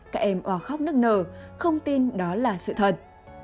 các em oa khóc nức nở không tin đó là sự thật